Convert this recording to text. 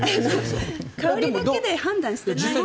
香りだけで判断してない。